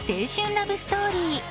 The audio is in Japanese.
ラブストーリー。